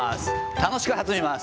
楽しく弾みます。